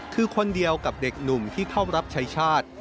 คือคนเดียวกับเด็กหนุ่มที่เข้ารับชายชาติ